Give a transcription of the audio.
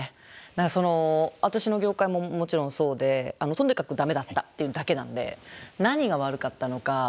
私の業界ももちろんそうでとにかくダメだったっていうだけなんで何が悪かったのか。